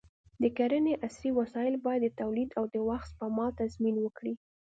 د کرنې عصري وسایل باید د تولید او د وخت سپما تضمین وکړي.